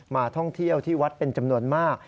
ท่องเที่ยวที่วัดเป็นจำนวนมาก